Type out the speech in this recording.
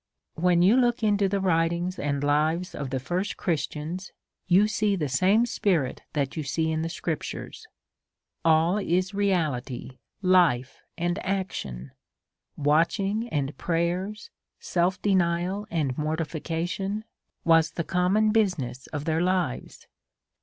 When you look into the writings and lives of the first Christians, you see the same spirit that you sec in the scriptures. All is reality, life, and action. Watch M 4 168 A SERIOUS CALL TO A ing s and prayers, self denial and mortification, wa» the common business of their lives.